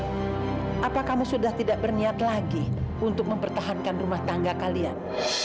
apa kamu sudah tidak berniat lagi untuk mempertahankan rumah tangga kalian